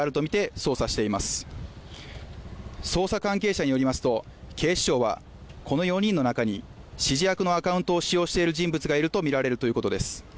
捜査関係者によりますと警視庁は、この４人の中に、指示役のアカウントを使用している人物がいるとみられるということです。